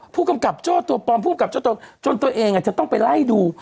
ผู้กำกับโจ้ตัวปลอมผู้กำกับโจจนตัวเองจะต้องไปไล่ดู